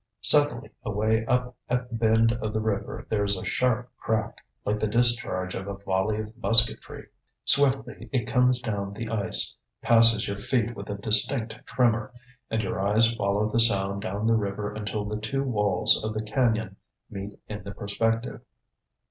Suddenly away up at the bend of the river there is a sharp crack, like the discharge of a volley of musketry. Swiftly it comes down the ice, passes your feet with a distinct tremor, and your eyes follow the sound down the river until the two walls of the cañon meet in the perspective.